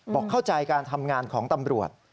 เข้าใจการทำงานของตำรวจ